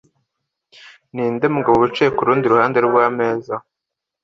Ninde mugabo wicaye kurundi ruhande rwameza